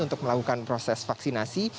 untuk melakukan proses vaksinasi